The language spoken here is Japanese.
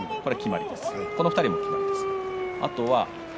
この２人が決まりです。